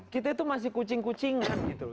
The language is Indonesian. kita itu masih kucing kucingan gitu